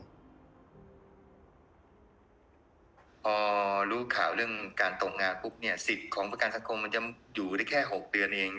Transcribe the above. พอรู้ข่าวเรื่องการตกงานปุ๊บเนี่ยสิทธิ์ของประกันสังคมมันจะอยู่ได้แค่๖เดือนเอง